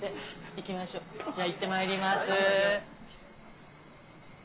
行きましょうじゃあいってまいります。